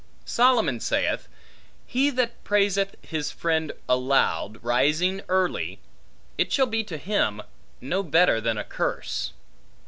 Solomon saith, He that praiseth his friend aloud, rising early, it shall be to him no better than a curse.